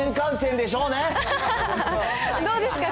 どうですか？